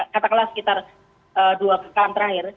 kata kata sekitar dua kekal terakhir